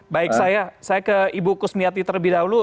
baik saya ke ibu kusmiati terlebih dahulu